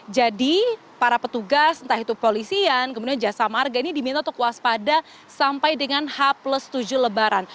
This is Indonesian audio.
jadi para petugas entah itu polisian kemudian jasa marga ini diminta untuk waspada sampai dengan h plus tujuh lebaran